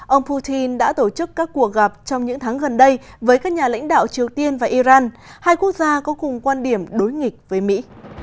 ông putin đã tổ chức các cuộc gặp trong những tháng gần đây với các nhà lãnh đạo triều tiên và iran hai quốc gia có cùng quan điểm đối nghịch với mỹ